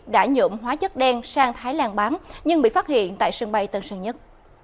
đã nhuộm hóa chất đen sang thái lan bán nhưng bị phát hiện tại sân bay tân sơn nhất